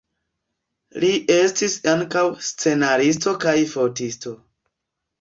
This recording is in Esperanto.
Li estis ankaŭ scenaristo kaj fotisto.